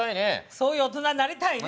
そういう大人になりたいね。